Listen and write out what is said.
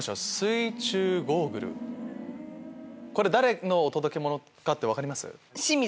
これ誰のお届け物か分かります？